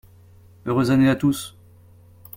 Heureuse année à tous.